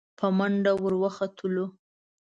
په منډه ور وختلو.